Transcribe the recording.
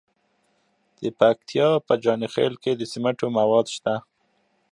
د پکتیا په جاني خیل کې د سمنټو مواد شته.